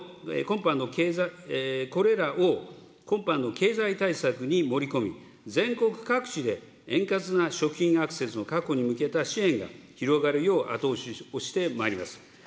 これらを今般の経済対策に盛り込み、全国各地で円滑な食品アクセスの確保に向けた支援が広がるよう、後押しをしてまいります。